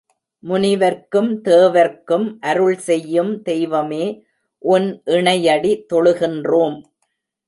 முனிவர்க்கும் தேவர்க்கும் அருள் செய்யும் தெய்வமே உன் இணையடி தொழுகின்றோம்.